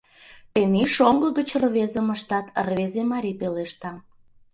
Тений шоҥго гыч рвезым ыштат, — рвезе марий пелешта.